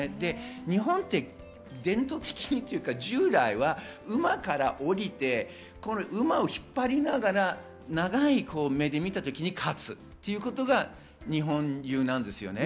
日本は伝統的に馬から降りて、馬を引っ張りながら長い目で見た時に勝つというのが日本流なんですよね。